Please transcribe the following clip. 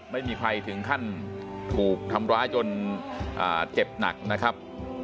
ไม่มีใครถึงขั้นถูกทำร้ายจนเจ็บหนักนะครับ